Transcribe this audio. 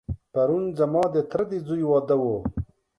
پرون ځما دتره دځوی واده و.